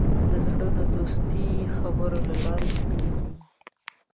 د زړونو دوستي د خبرو له لارې کېږي.